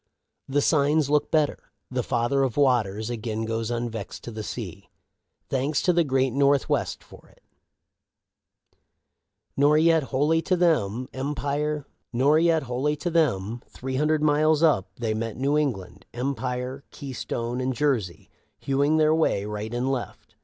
" The signs look better. The Father of Waters again goes unvexed to the sea. Thanks to the great North west for it. Nor yet wholly to them. Three hundred miles up they met New England, Empire, Keystone, and Jersey, hewing their way right and left.